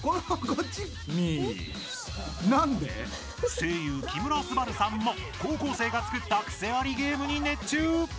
声優・木村昴さんも高校生が作ったクセありゲームに熱中！